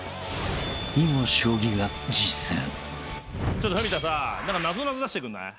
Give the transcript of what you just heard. ちょっと文田さ何かなぞなぞ出してくんない？